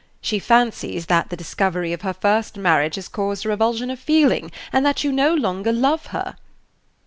She fancies that the discovery of her first marriage has caused a revulsion of feeling, and that you no longer love her."